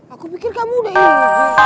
aku pikir kamu udah ini